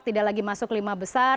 tidak lagi masuk lima besar